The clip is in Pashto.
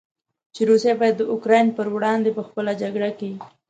چې روسیه باید د اوکراین پر وړاندې په خپله جګړه کې.